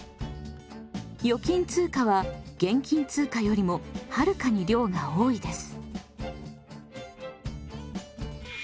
預金通貨は現金通貨よりもはるかに量が多いです。